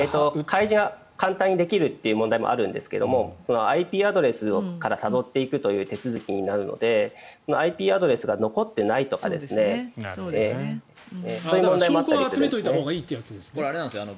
開示は簡単にできるという問題もあるんですがＩＰアドレスからたどっていくという手続きになるのでＩＰアドレスが残っていないとかそういう問題もあったりですね。